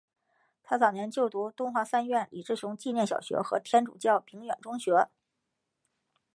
他早年就读东华三院李志雄纪念小学和天主教鸣远中学。